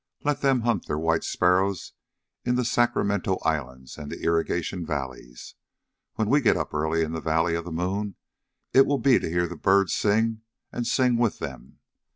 "Let them hunt their white sparrows in the Sacramento islands and the irrigation valleys. When we get up early in the valley of the moon, it will be to hear the birds sing and sing with them.